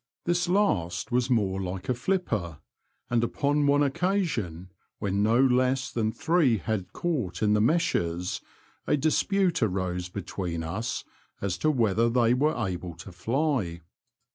This last was more like a flipper, and upon one occasion, when no less than three had caught in the meshes, a dispute arose between us as to whether they were able to fly.